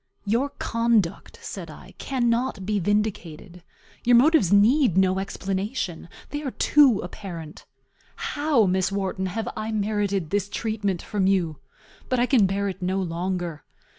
"Your conduct," said I, "cannot be vindicated; your motives need no explanation; they are too apparent. How, Miss Wharton, have I merited this treatment from you? But I can bear it no longer.